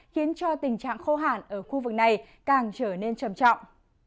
khiến tình trạng khô hẳn ở khu vực này càng trở nên trầm trọng